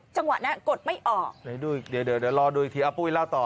จังหวะนั้นกดไม่ออกไหนดูเดี๋ยวเดี๋ยวรอดูอีกทีอาปุ้ยเล่าต่อ